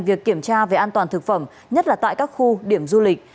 việc kiểm tra về an toàn thực phẩm nhất là tại các khu điểm du lịch